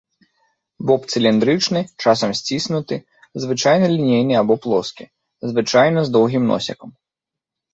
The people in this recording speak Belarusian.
Боб цыліндрычны, часам сціснуты, звычайна лінейны або плоскі, звычайна з доўгім носікам.